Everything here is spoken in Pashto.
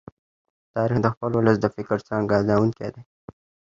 تاریخ د خپل ولس د فکر څرګندونکی دی.